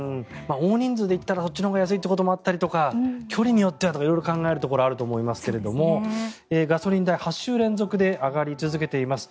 大人数でいったらこっちのほうが安いとか距離によってはとか色々考えるところがあるかもしれまさせんがガソリン代８週連続で上がり続けています。